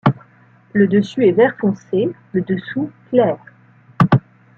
Le dessus est vert foncé, le dessous clair.